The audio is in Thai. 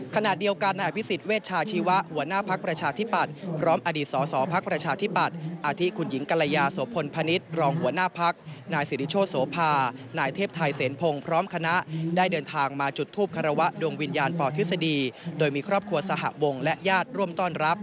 ขณะเดียวกันนายพิสิทธิ์เวชชาชีวะหัวหน้าพรรชาธิปัตย์ร้องอดีตสอพรรชาธิปัตย์อาธิคุณหญิงกัลยาสวพลพณิชย์รองหัวหน้าพรรคนายสิริโชศพานายเทพไทยเสนพงพร้อมคณะได้เดินทางมาจุดทูปคาราวะดวงวิญญาณป่อทฤษฎีโดยมีครอบครัวสหบงและญาติร่วมต